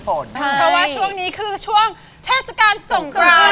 เพราะว่าช่วงนี้คือช่วงเทศกาลสงกราน